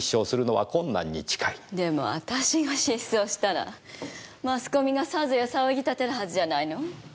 でも私が失踪したらマスコミがさぞや騒ぎ立てるはずじゃないの？